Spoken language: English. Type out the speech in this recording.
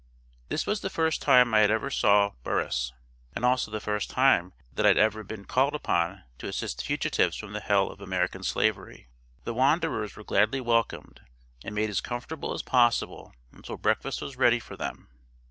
This was the first time that I ever saw Burris, and also the first time that I had ever been called upon to assist fugitives from the hell of American Slavery. The wanderers were gladly welcomed, and made as comfortable as possible until breakfast was ready for them.